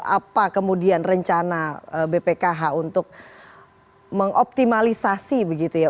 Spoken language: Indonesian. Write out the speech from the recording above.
apa kemudian rencana bpkh untuk mengoptimalisasi begitu ya